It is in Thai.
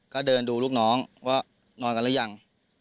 ก็เดินดูลูกน้องว่านอนกันหรือยัง